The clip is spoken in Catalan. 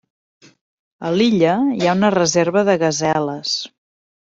A l'illa hi ha una reserva de gaseles.